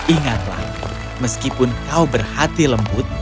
ingatlah meskipun kau berhati lembut